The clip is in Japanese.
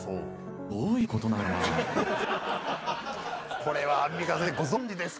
これはアンミカ先生ご存じですか？